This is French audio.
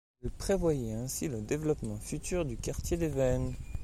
Il prévoyait ainsi le développement futur du quartier des Vennes.